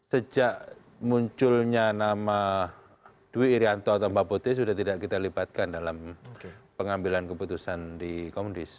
sejak munculnya nama dwi irianto atau mbak putih sudah tidak kita libatkan dalam pengambilan keputusan di komunis